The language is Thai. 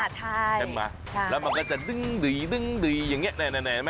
ครับใช่ใช่ดูในแนมใช่ไหม